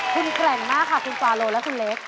คุณแกร่งมากค่ะคุณฟาโลและคุณเล็ก